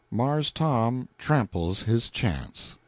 Marse Tom Tramples His Chance.